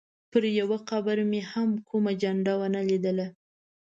پر یوه قبر مې هم کومه جنډه ونه لیدله.